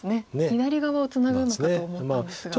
左側をツナぐのかと思ったんですが。